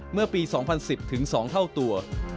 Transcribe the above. เมื่อปี๒๐๑๐ถึง๒เท่าตัว